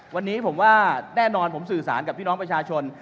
วันนี้ผมว่าแน่นอนผมสื่อสารกับพี่น้องประชาชน